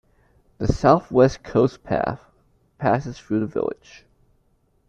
The South West Coast Path passes though the village.